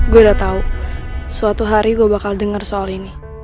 gue udah tau suatu hari gue bakal denger soal ini